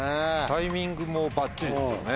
タイミングもバッチリですよね。